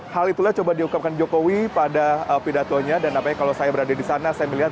hal itulah coba diungkapkan jokowi pada pidatonya dan apanya kalau saya berada di sana saya melihat